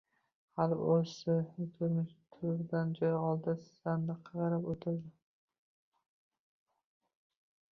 Hali o‘zi o‘tirmish to‘rdan joy oldi. Sandiqqa qarab o‘tirdi.